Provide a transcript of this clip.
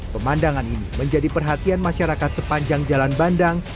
pemandangan ini menjadi perhatian masyarakat sepanjang jalan bandang